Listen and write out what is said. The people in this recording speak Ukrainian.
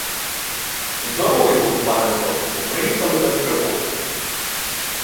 Здоровий будь, пане сотнику, приїхали без пригоди.